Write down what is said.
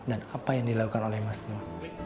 dan apa yang dilakukan oleh mas gouw